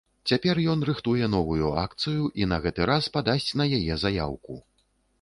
Цяпер ён рыхтуе новую акцыю і на гэты раз падасць на яе заяўку.